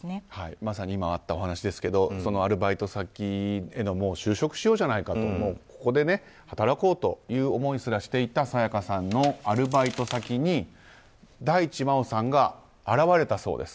まさに今あったお話ですがそのアルバイト先へ就職しようじゃないかと、ここで働こうという思いすらしていた沙也加さんのアルバイト先に大地真央さんが現れたそうです。